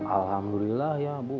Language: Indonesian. alhamdulillah ya bu